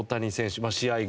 試合後